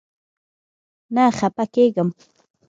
نه خپه کيږم